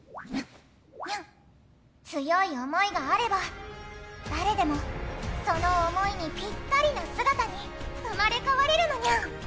強い想いがあれば誰でもその想いにピッタリな姿に生まれ変われるのニャン！